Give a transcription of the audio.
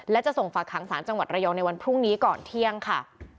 และจะส่งฝากหางศาลจังหวัดระยองในวันพรุ่งนี้ก่อนเที่ยงค่ะ